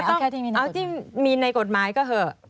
เอาที่มีในกฎหมายก็เถอะ